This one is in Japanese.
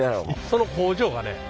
その工場がね